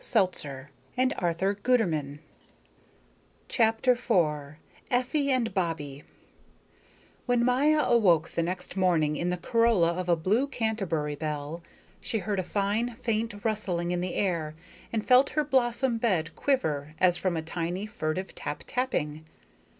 CHAPTER IV EFFIE AND BOBBIE When Maya awoke the next morning in the corolla of a blue canterbury bell, she heard a fine, faint rustling in the air and felt her blossom bed quiver as from a tiny, furtive tap tapping.